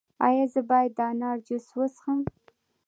ایا زه باید د انار جوس وڅښم؟